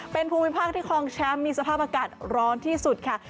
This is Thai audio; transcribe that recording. เป็นภูมิภาคที่คลองแชมป์มีสภาพอากาศร้อนที่สุดค่ะ